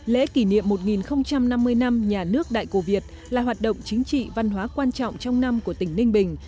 lễ kỷ niệm một năm mươi năm nhà nước đại cổ việt là hoạt động chính trị văn hóa quan trọng trong năm của tỉnh ninh bình